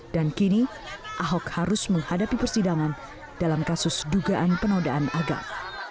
dan kini ahok harus menghadapi persidangan dalam kasus dugaan penodaan agama